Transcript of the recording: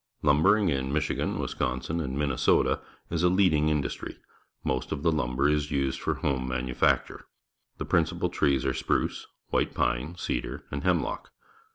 Lumbering in INIichigan, Wisconsin, and Minnesota is a leading industry. jMost of the lumber is used for home manufacture. The principal trees are spruce, white pine, _cedar , and hemlock.